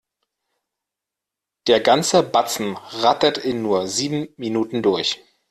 Der ganze Batzen rattert in nur sieben Minuten durch.